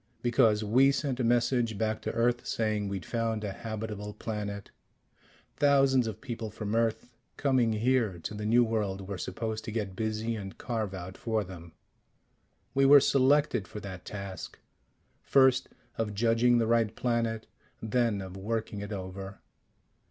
Because we sent a message back to Earth saying we'd found a habitable planet. Thousands of people from Earth, coming here to the new world we're supposed to get busy and carve out for them. We were selected for that task first of judging the right planet, then of working it over.